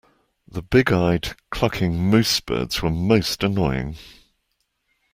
The big-eyed, clucking moose-birds were most annoying.